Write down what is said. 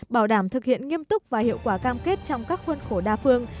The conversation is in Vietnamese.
bảo đảm thực hiện nghiêm túc và hiệu quả cam kết trong các khuôn khổ đa phương